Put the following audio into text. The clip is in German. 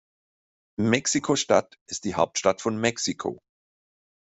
Mexiko-Stadt ist die Hauptstadt von Mexiko.